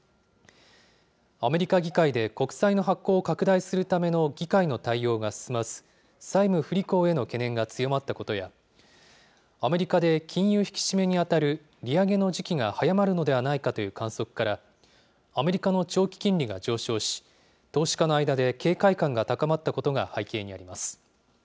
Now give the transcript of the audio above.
アメリカ議会で国債の発行を拡大するための議会の対応が進まず、債務不履行への懸念が強まったことや、アメリカで金融引き締めに当たる、利上げの時期が早まるのではないかという観測から、アメリカの長期金利が上昇し、投資家の間で警戒感が高まったことが背景にあります。